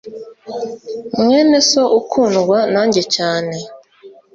mwene so ukundwa nanjye cyane